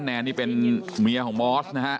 แนนนี่เป็นเมียของมอสนะฮะ